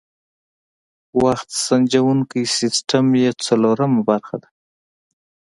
وخت سنجوونکی سیسټم یې څلورمه مهمه برخه ده.